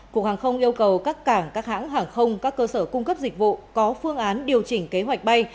cục hàng không yêu cầu các cảng các hãng hàng không các cơ sở cung cấp dịch vụ có phương án điều chỉnh kế hoạch bay